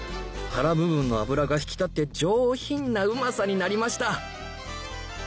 腹部分の脂が引き立って上品なうまさになりました